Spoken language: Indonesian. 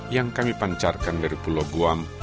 yang kami pancarkan dari pulau guam